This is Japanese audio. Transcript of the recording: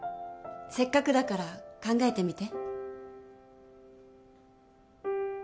せっかくだから考えてみて。